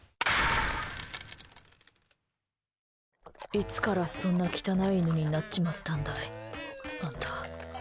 いつからそんな汚い犬になっちまったんだい、あんた。